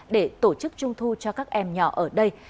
để tổ chức trung thu cho các em nhỏ ở đây